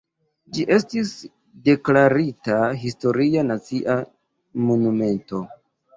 Ĝi estis deklarita Historia Nacia Monumento.